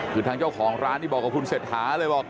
คือทางเจ้าของร้านนี่บอกกับคุณเศรษฐาเลยบอก